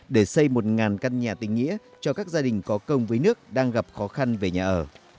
để xây một căn nhà tình nghĩa cho các gia đình có công với nước đang gặp khó khăn về nhà ở